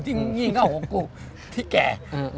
ที่งี่เง่าของกูที่แก่